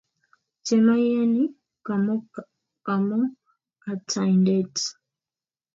Chemaiyani kamukataindet